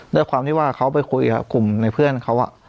ด้วยความที่ว่าเขาไปคุยกับกลุ่มในเพื่อนเขา